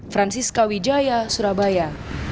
francisca wijaya surabaya